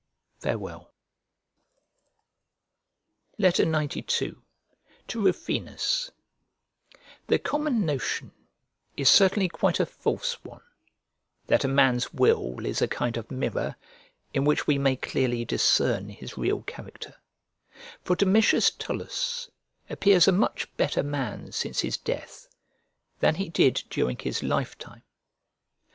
Farewell. XCII To RUFINUS The common notion is certainly quite a false one, that a man's will is a kind of mirror in which we may clearly discern his real character, for Domitius Tullus appears a much better man since his death than he did during his lifetime.